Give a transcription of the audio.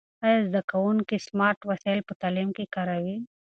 آیا زده کوونکي سمارټ وسایل په تعلیم کې کاروي؟